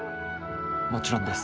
もちろんです。